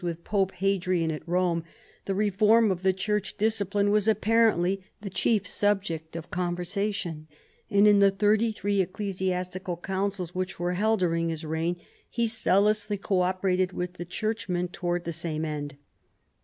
141 his interviews witli Pope Pladrian at Kome the re form of the Church's discipline was apparentlj^ the chief subject of conversation ; and in the thirty three Ecclesiastical Councils which were held dur ing his reign he zealously co operated with the churchmen towards the same end.